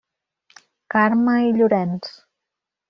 Carme i Llorenç.